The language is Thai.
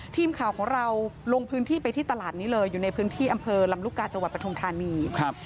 ทีมข่าวของเราลงพื้นที่ไปที่ตลาดนี้เลยอยู่ในพื้นที่อำเภอลำลูกกาจังหวัดปทุมธานีครับ